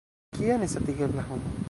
Kia nesatigebla homo!